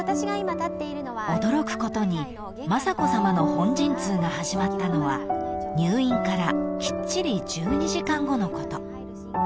［驚くことに雅子さまの本陣痛が始まったのは入院からきっちり１２時間後のこと］